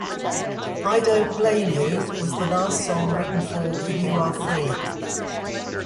"I Don't Blame You" was the last song written for "You Are Free".